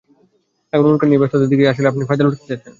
এখন উল্কা নিয়ে ব্যস্ততা দেখিয়ে আসলে আপনি ফায়দা লুটতে চাচ্ছেন?